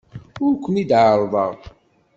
Ur ken-id-ɛerrḍeɣ.